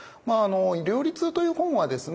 「料理通」という本はですね